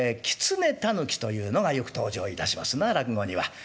狐狸というのがよく登場いたしますな落語には。